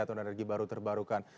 atau energi baru terbarukan